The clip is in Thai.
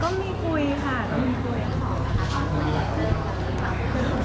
ก็มีคุยค่ะก็มีคุย